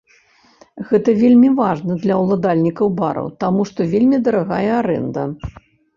Гэта вельмі важна для уладальнікаў бараў, таму што вельмі дарагая арэнда.